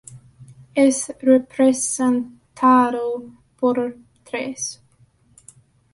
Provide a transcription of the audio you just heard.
Es representado por ⟨ʒ⟩.